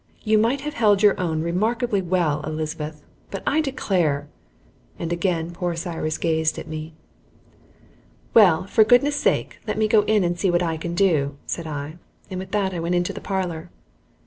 You have held your own remarkably well, Elizabeth, but I declare " And again poor Cyrus gazed at me. "Well, for goodness' sake, let me go in and see what I can do," said I, and with that I went into the parlor.